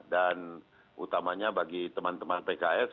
dan utamanya bagi teman teman pks